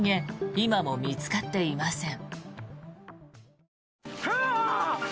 今も見つかっていません。